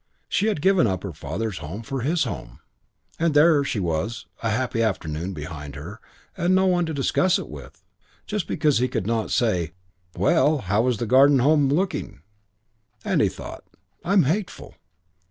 She had given up her father's home for his home and there she was: a happy afternoon behind her and no one to discuss it with. Just because he could not say, "Well, how was the Garden Home looking?" He thought, "I'm hateful."